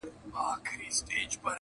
• و عسکرو تې ول ځئ زموږ له کوره,